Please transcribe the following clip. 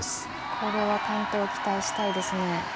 これは完登を期待したいですね。